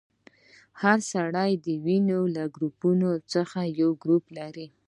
هر سړی د وینې له ګروپونو څخه یو ګروپ لري.